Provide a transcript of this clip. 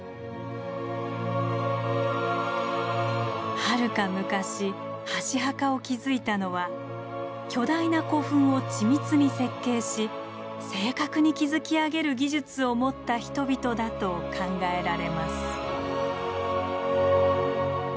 はるか昔箸墓を築いたのは巨大な古墳を緻密に設計し正確に築き上げる技術を持った人々だと考えられます。